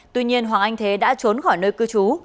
tuy nhiên hoàng anh thế đã trốn khỏi nơi cư trú